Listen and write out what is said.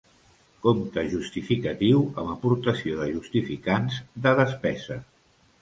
Compte justificatiu amb aportació de justificants de despesa.